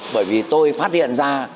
bởi vì tôi phát hiện ra